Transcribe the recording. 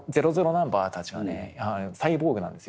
ナンバーたちがねサイボーグなんですよ。